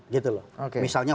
gitu loh misalnya